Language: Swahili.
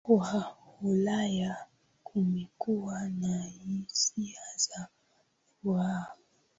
wa Ulaya Kumekuwa na hisia za furaha